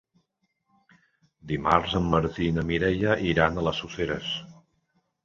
Dimarts en Martí i na Mireia iran a les Useres.